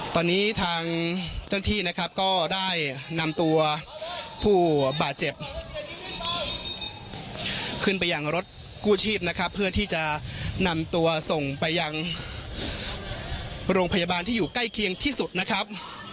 ตอนนี้ทางเจ้าหน้าที่นะครับก็ได้นำตัวผู้บาดเจ็บขึ้นไปยังรถกู้ชีพนะครับเพื่อที่จะนำตัวส่งไปยังโรงพยาบาลที่อยู่ใกล้เคียงที่สุดนะครับ